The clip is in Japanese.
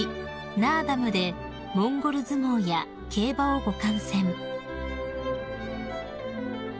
ナーダムでモンゴル相撲や競馬をご観戦］